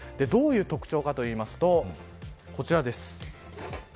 どういう特徴かというとこちらです。